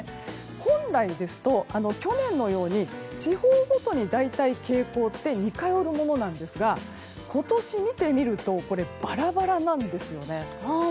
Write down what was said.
本来ですと、去年のように地方ごとに大体、傾向って似通るものなんですが今年、見てみるとバラバラなんですよね。